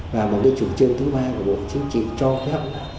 và một cái chủ trương thứ ba của bộ chính trị cho phép